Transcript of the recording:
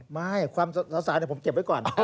ไม่ความสาวผมเก็บไว้ก่อน